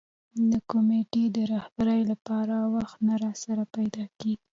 د کمېټې د رهبرۍ لپاره وخت نه راسره پیدا کېږي.